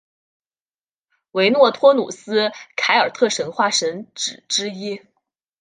维诺托努斯凯尔特神话神只之一。